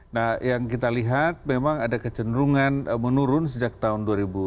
nah yang kita lihat memang ada kecenderungan menurun sejak tahun dua ribu dua